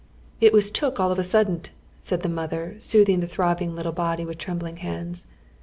"It was took all of a suddiut," says the inother, sinooth iiig the throbbing little body with trembling hands.